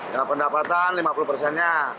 ya pendapatan lima puluh persennya